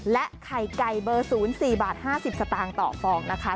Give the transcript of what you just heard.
ไข่ไก่เบอร์๐๔บาท๕๐สตางค์ต่อฟองนะคะ